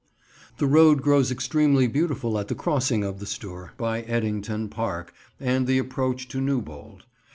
The road grows extremely beautiful at the crossing of the Stour by Ettington Park and the approach to Newbold.